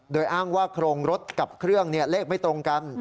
โดยอ้างว่าโครงรถกับเครื่องเลขไม่ตรงกัน